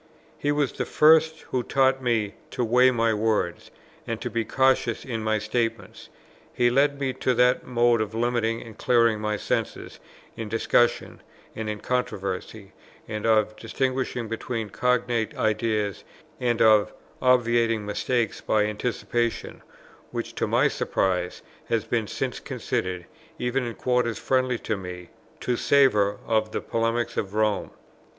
He was the first who taught me to weigh my words, and to be cautious in my statements. He led me to that mode of limiting and clearing my sense in discussion and in controversy, and of distinguishing between cognate ideas, and of obviating mistakes by anticipation, which to my surprise has been since considered, even in quarters friendly to me, to savour of the polemics of Rome.